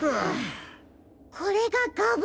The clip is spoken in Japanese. これがガブ。